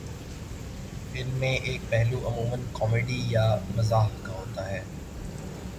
ان میں ایک پہلو عمومًا کامیڈی یا مزاح کا ہوتا ہے